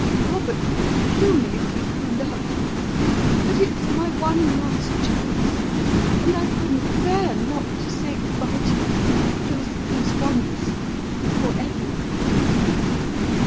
Robert would kill me if he found out. But it's my one last chance, and I couldn't BEAR not to say good bye to you just this once for ever."